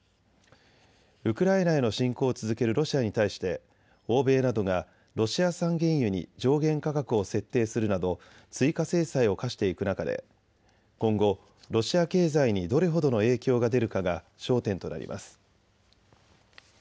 ウクライナへの侵攻を続けるロシアに対して欧米などがロシア産原油に上限価格を設定するなど追加制裁を科していく中で、今後、ロシア経済にどれほどの影響が出るかが焦点となります。